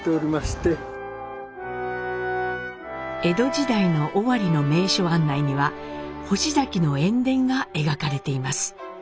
江戸時代の尾張の名所案内には「星崎の塩田」が描かれています。